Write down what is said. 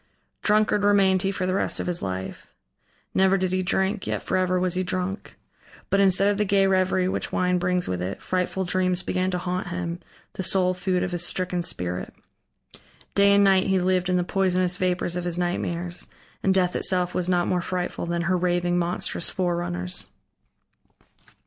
Drunkard remained he for the rest of his life; never did he drink, yet forever was he drunk. But instead of the gay reverie which wine brings with it, frightful dreams began to haunt him, the sole food of his stricken spirit. Day and night he lived in the poisonous vapors of his nightmares, and death itself was not more frightful than her raving, monstrous forerunners.